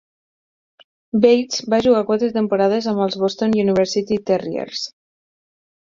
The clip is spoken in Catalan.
Bates va jugar quatre temporades amb els Boston University Terriers.